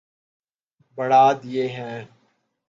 بڑھا دیے ہیں